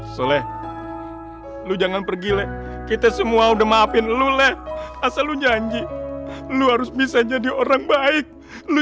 sole lu jangan pergi le kita semua udah maafin lu le asal u janji lu harus bisa jadi orang baik lu